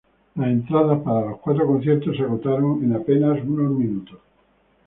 Las entradas para los cuatro conciertos se agotaron en apenas unos minutos.